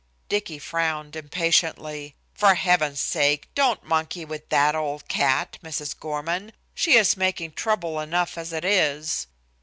Dicky frowned impatiently: "For heaven's sake, don't monkey with that old cat, Mrs. Gorman. She is making trouble enough as it is."